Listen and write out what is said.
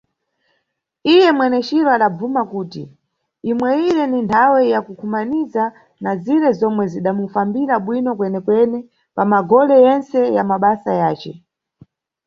Iye mweneciro adabvuma kuti imweyire ni nthawe ya kukhumaniza na zire zomwe zidamufambira bwino kwenekwene pa magole yentse ya mabasa yace.